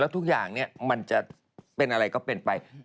ทุกอย่างมันจะเป็นอะไรก็เป็นไป